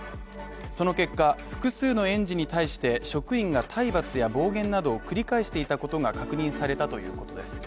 その結果、複数の園児に対して職員が体罰や暴言などを繰り返していたことが確認されたということです。